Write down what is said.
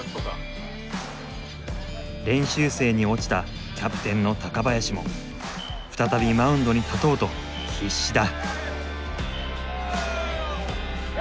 練習生に落ちたキャプテンの高林も再びマウンドに立とうと必死だ。